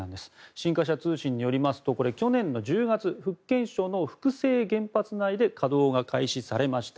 新華社通信によりますと去年の１０月福建省の福清原発内で稼働が開始されました。